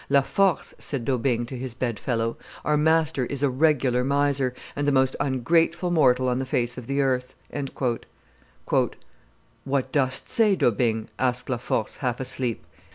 "La Force," said D'Aubigne to his bed fellow, "our master is a regular miser, and the most ungrateful mortal on the face of the earth." "What dost say, D'Aubigne?" asked La Force, half asleep.